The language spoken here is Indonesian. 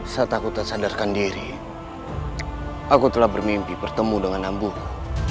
saat aku tersadarkan diri aku telah bermimpi bertemu dengan ambuku